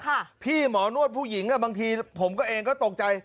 ให้พี่หมอนวดผู้หญิงบางทีผมเองก็ตกใจ